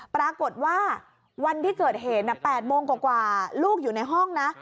ปรากฏว่าวันที่เกิดเหตุ๘โมงกว่าลูกอยู่ในห้องนะ